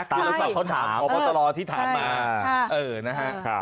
ตามรักษาข้อถามโปรตรที่ถามมา